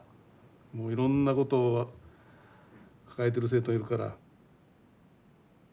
もういろんなことを抱えている生徒いるから。